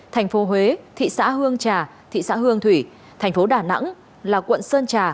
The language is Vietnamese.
thành phố huế thị xã hương trà thị xã hương thủy thành phố đà nẵng là quận sơn trà